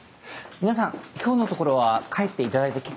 皆さん今日のところは帰っていただいて結構ですよ。